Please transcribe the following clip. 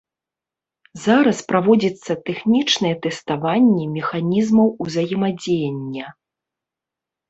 Зараз праводзіцца тэхнічнае тэставанне механізмаў узаемадзеяння.